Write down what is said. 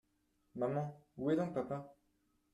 Maman, où donc est papa ?